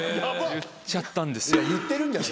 言っちゃったんですよ。